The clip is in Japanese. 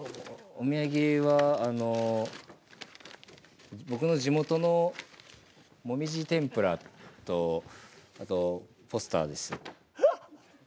お土産はあの僕の地元のもみじ天ぷらとあとポスターです。